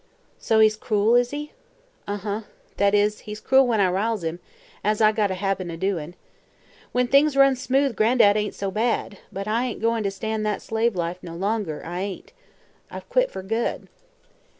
"So he's cruel, is he?" "Uh huh. Thet is, he's cruel when I riles him, as I got a habit o' doin'. When things runs smooth, Gran'dad ain't so bad; but I ain't goin' to stand that slave life no longer, I ain't. I've quit fer good."